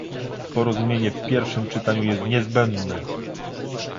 Porozumienie w pierwszym czytaniu jest niezbędne